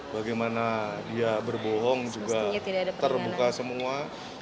bagaimana dia berbohong juga terbuka semua